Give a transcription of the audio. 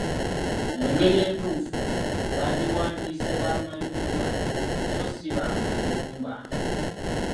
Mu ngeri entuufu, bandiwandiise 'b’amayumba' so ssi 'bamayuumba'.